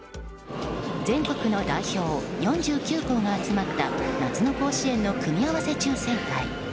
全国の代表４９校が集まった夏の甲子園の組み合わせ抽選会。